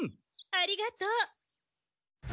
ありがとう。